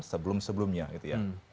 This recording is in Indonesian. sebelum sebelumnya gitu ya